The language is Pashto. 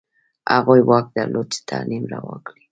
هغوی واک درلود چې تعلیم روا کړي.